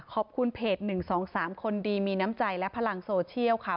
เพจ๑๒๓คนดีมีน้ำใจและพลังโซเชียลค่ะ